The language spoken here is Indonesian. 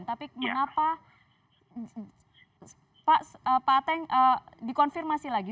tapi mengapa pak ateng dikonfirmasi lagi